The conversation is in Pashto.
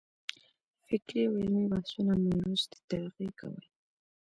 فکري او علمي بحثونه مو لوستې طبقې کوي.